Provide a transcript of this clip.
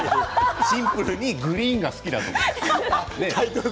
シンプルにグリーンが好きだと思う。